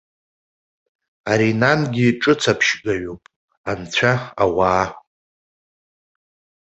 Ари нангьы ҿыцаԥшьгаҩуп, анцәа-ауаа.